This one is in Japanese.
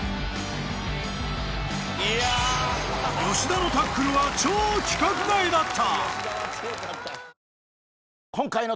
吉田のタックルは超規格外だった！